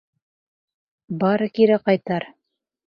Бары кире ҡайтар.